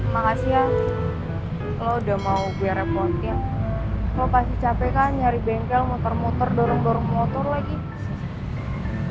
makasih ya lo udah mau gue repotin lo pasti capek kan nyari bengkel muter muter dorong dorong motor lagi